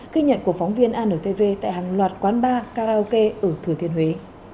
ghi nhận của phóng viên antv tại hàng loạt quán bar karaoke ở thừa thiên huế